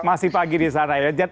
masih pagi di sana ya